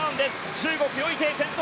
中国ヨ・イテイ、先頭。